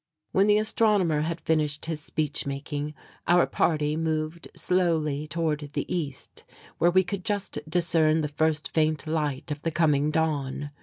When the astronomer had finished his speech making, our party moved slowly toward the East, where we could just discern the first faint light of the coming dawn.